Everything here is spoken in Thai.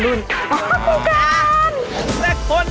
ถือว่าได้ผล